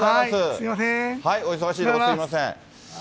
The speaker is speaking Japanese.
お忙しいところすみません。